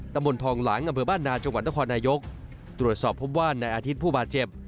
ตำรวจสอบพบว่านในอาทิตย์ผู้บาดเจ็บ